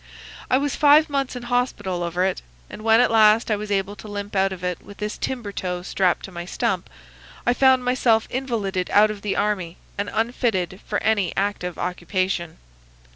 I was five months in hospital over it, and when at last I was able to limp out of it with this timber toe strapped to my stump I found myself invalided out of the army and unfitted for any active occupation.